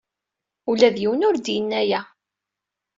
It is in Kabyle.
Ula d yiwen ur d-yenni aya.